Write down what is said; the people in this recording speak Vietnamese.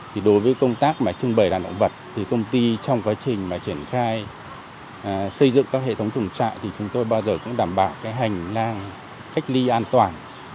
thì đối với công tác mà trưng bày đàn động vật thì công ty trong quá trình mà triển khai xây dựng các hệ thống tùng trại thì chúng tôi bao giờ cũng đảm bảo cái hành lang cách ly an toàn